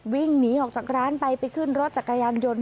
วิ่งหนีออกจากร้านไปไปขึ้นรถจักรยานยนต์